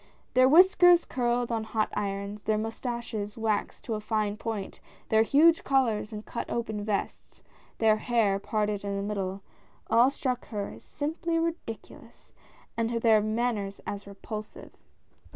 Their whiskers curled on hot irons, their moustaches waxed to a fine point, their huge collars and cut open vests, their hair parted in the middle, all struck her as simply ridiculous, and their manners as repulsive.